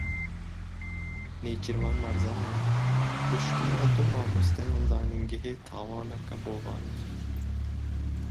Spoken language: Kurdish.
Nêçîrvan Barzanî: Kuştina du mamosteyên zanîngehê tawaneke hovane ye.